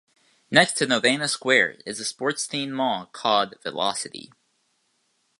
Next to Novena Square is a sports-themed mall called Velocity.